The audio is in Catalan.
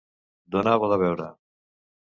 Donar bo de veure.